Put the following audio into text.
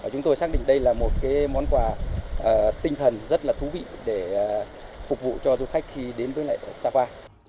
chúng tôi xác định đây là một món quà tinh thần rất là thú vị để phục vụ cho du khách khi đến với lại sapa